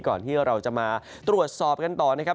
ก่อนที่เราจะมาตรวจสอบกันต่อนะครับ